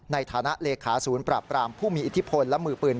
ในฐานะเลขาศูนย์ปราบปรามผู้มีอิทธิพลและมือปืน